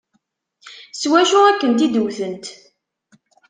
S wacu i ken-id-wtent?